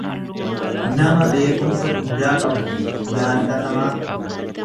nama beekumsa guddaa qabu, jaallatamaa.